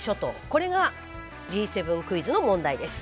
これがＧ７クイズの問題です。